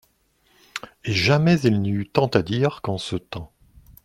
Et jamais il n'y eut tant à dire qu'en ce temps.